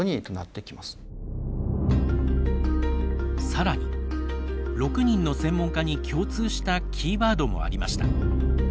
さらに６人の専門家に共通したキーワードもありました。